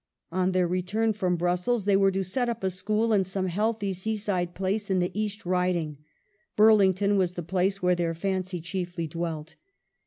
On their return from Brussels they were to set up a school in some healthy seaside place in the East Riding. Burlington was the place where their fancy chiefly dwelt.